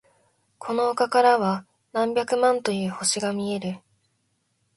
この丘からは何百万という星が見える。